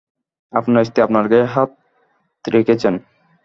আপনার স্ত্রী আপনার গায়ে হাত রেখেছেন।